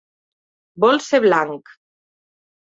Vol ser blanc.